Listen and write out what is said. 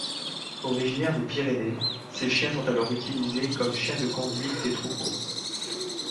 Originaire des Pyrénées, ces chiens sont alors utilisés comme chien de conduite des troupeaux.